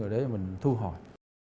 để mình thu hỏi